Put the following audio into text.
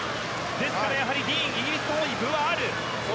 ですから、ディーンイギリスのほうに分がある。